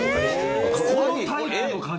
このタイプの鍵？